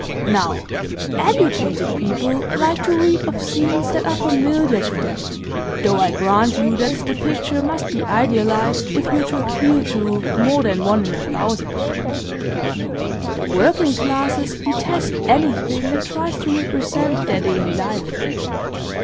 Now, educated people like to read of scenes that are familiar to them, though I grant you that the picture must be idealised if you're to appeal to more than one in a thousand. The working classes detest anything that tries to represent their daily life.